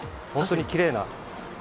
本当にきれいな。